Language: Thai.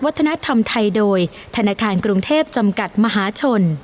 วัฒนธรรมไทยโดยธนาคารกรุงเทพจำกัดมหาชน